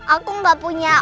aku gak punya